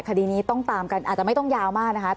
คดีนี้ต้องตามกันอาจจะไม่ต้องยาวมากนะคะ